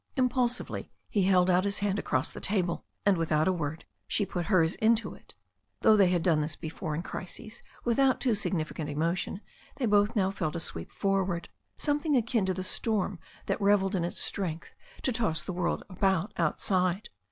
Impulsively he held out his hand across the table, and without a word she put hers into it. Though they had done this before in crises without too significant emotion they both now felt a sweep forward, something akin to the storm that revelled in its strength to toss the world about outside.